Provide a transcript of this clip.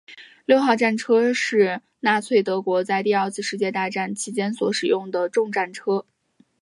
六号战车是纳粹德国在第二次世界大战期间所使用的重战车。